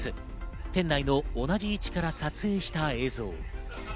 店内の同じ位置から撮影した映像。